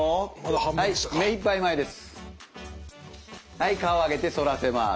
はい顔を上げて反らせます。